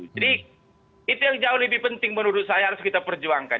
jadi itu yang jauh lebih penting menurut saya harus kita perjuangkan